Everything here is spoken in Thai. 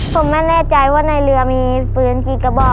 ผมไม่แน่ใจว่าในเรือมีปืนกี่กระบอก